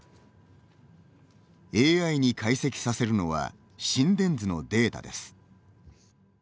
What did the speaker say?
ＡＩに解析させるのは心電図のデータです。